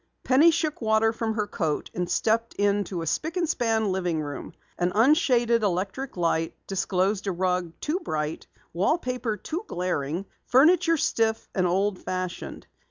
Penny shook water from her coat and stepped into the spic and span living room. An unshaded electric light disclosed a rug too bright, wallpaper too glaring, furniture stiff and old fashioned.